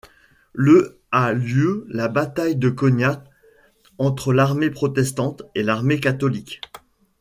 Le a lieu la bataille de Cognat entre l'armée protestante et l'armée catholique.